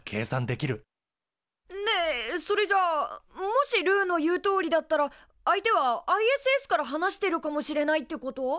ねえそれじゃあもしルーの言うとおりだったら相手はＩＳＳから話してるかもしれないってこと？